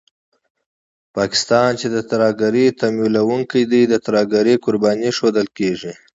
پاکستان چې د ترهګرۍ تمويلوونکی دی، د ترهګرۍ قرباني ښودل کېږي